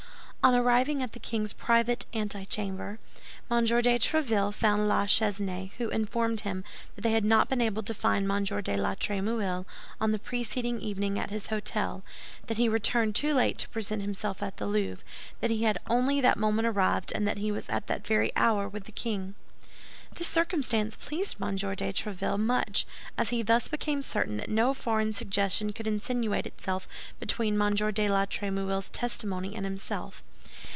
On arriving at the king's private antechamber, M. de Tréville found La Chesnaye, who informed him that they had not been able to find M. de la Trémouille on the preceding evening at his hôtel, that he returned too late to present himself at the Louvre, that he had only that moment arrived and that he was at that very hour with the king. This circumstance pleased M. de Tréville much, as he thus became certain that no foreign suggestion could insinuate itself between M. de la Trémouille's testimony and himself.